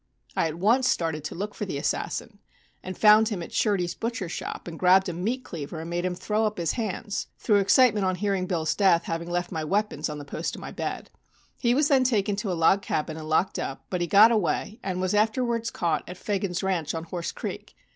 I at once started to look for the assassin and found him at Shurdy's butcher shop and grabbed a meat cleaver and made him throw up his hands, through excitement on hearing Bill's death having left my weapons on the post of my bed. He was then taken to a log cabin and locked up, but he got away and was afterwards caught at Fagan's ranch on Horse Creek.